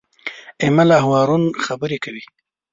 ایمل او هارون خبرې کوي.